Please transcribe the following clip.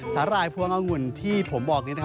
สาหร่ายพวงองุ่นที่ผมบอกนี้นะครับ